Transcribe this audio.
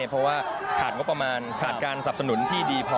เพราะว่าขาดงบประมาณขาดการสับสนุนที่ดีพอ